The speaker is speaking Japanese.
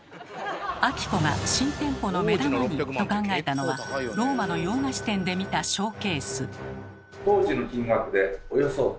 ⁉彬子が新店舗の目玉にと考えたのはローマの洋菓子店で見たショーケース。